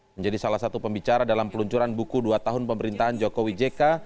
menjadi salah satu pembicara dalam peluncuran buku dua tahun pemerintahan jokowi jk